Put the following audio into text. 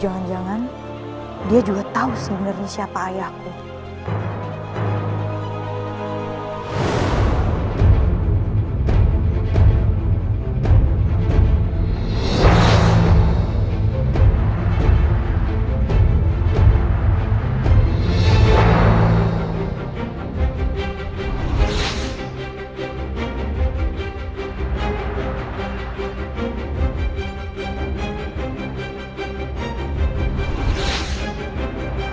lelaki tua itu ternyata pernah bertemu dengan ibuku